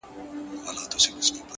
ته دي ټپه په اله زار پيل کړه،